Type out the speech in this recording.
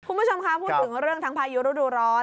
ผู้ชมค่ะพูดถึงเรื่องทั้งพายุรุ่นดูร้อน